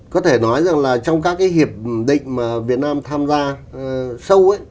có thể nói rằng là trong các cái hiệp định mà việt nam tham gia sâu ấy